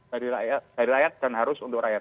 dari rakyat dari rakyat dan harus untuk rakyat